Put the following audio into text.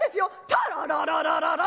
たらららららら！